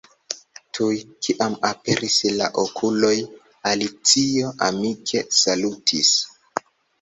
Tuj kiam aperis la okuloj, Alicio amike salutis.